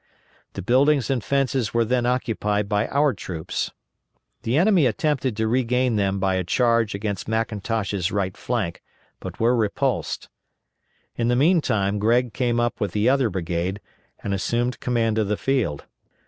The buildings and fences were then occupied by our troops. The enemy attempted to regain them by a charge against McIntosh's right flank, but were repulsed. In the meantime Gregg came up with the other brigade, and assumed command of the field.